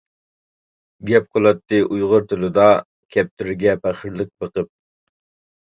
گەپ قىلاتتى ئۇيغۇر تىلىدا كەپتىرىگە پەخىرلىك بېقىپ.